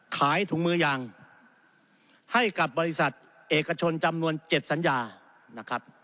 ขายถุงมือยางให้กับบริษัทเอกชนจำนวน๗สัญญานะครับ